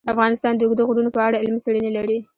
افغانستان د اوږده غرونه په اړه علمي څېړنې لري.